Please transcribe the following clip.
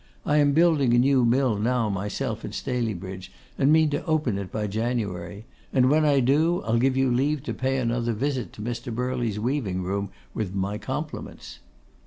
I am building a new mill now myself at Staleybridge, and mean to open it by January, and when I do, I'll give you leave to pay another visit to Mr. Birley's weaving room, with my compliments.